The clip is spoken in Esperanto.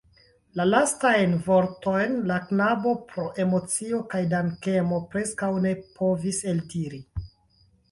La lastajn vortojn la knabo pro emocio kaj dankemo preskaŭ ne povis eldiri.